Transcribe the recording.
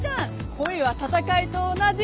恋は戦いと同じ。